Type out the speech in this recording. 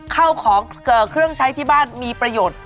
ข้าวของเครื่องใช้ที่บ้านมีประโยชน์